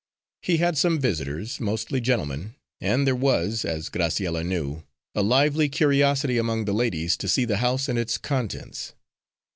He had some visitors, mostly gentlemen, and there was, as Graciella knew, a lively curiosity among the ladies to see the house and its contents.